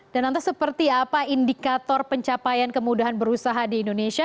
dan nanti seperti apa indikator pencapaian kemudahan berusaha di indonesia